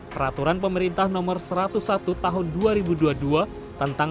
peraturan pemerintah nomor satu ratus satu tahun dua ribu dua puluh dua tentang